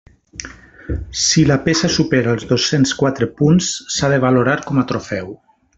Si la peça supera els dos-cents quatre punts, s'ha de valorar com a trofeu.